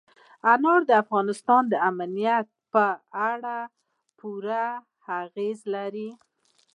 انار د افغانستان د امنیت په اړه هم پوره اغېز لري.